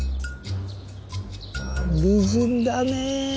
美人だね。